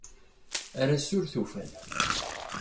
Ar ass-a ur tufan.